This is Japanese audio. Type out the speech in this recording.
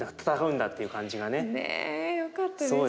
ねえよかったです。